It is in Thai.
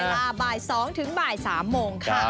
เวลาบ่ายสองถึงบ่ายสามโมงค่ะ